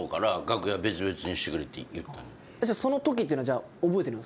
そのときっていうのはじゃあ覚えてるんですか？